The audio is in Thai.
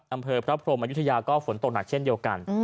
อำเภอพระพรมอายุทยาก็ฝนตกหนักเช่นเดียวกัน